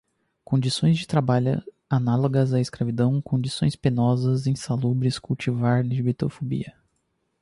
Condições de trabalho análogas à escravidão, condições penosas e insalubres, cultivar, lgbtfobia